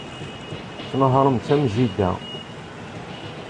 Tnehhṛemt am jida.